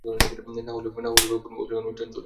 না হলে মনে হবে কোন অশ্লীল অনুষ্ঠান চলছে।